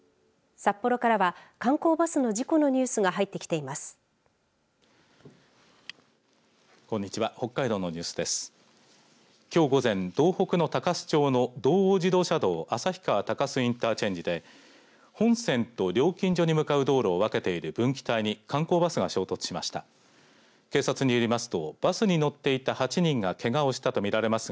札幌からは観光バスの事故のニュースが入ってきています。